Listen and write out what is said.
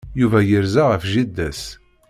Yuba yerza ɣef jida-s.